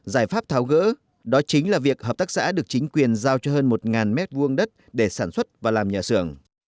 giải pháp tháo gỡ đó chính là việc hợp tác xã được chính quyền giao cho hơn một mét vuông đất để sản xuất và làm nhà sưởng